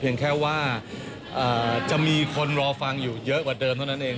แค่ว่าจะมีคนรอฟังอยู่เยอะกว่าเดิมเท่านั้นเอง